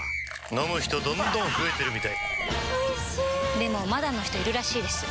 飲む人どんどん増えてるみたいおいしでもまだの人いるらしいですよ